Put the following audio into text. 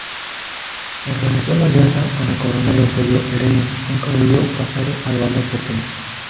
Organizó la alianza con el coronel Eusebio Hereñú, un caudillo pasado al bando porteño.